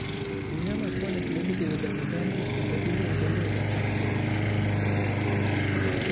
Mnyama kuwa na kinyesi chenye damudamu ni dalili ya ugonjwa wa mapafu